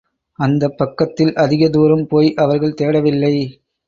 அந்தப் பக்கத்தில் அதிக தூரம் போய் அவர்கள் தேடவில்லை.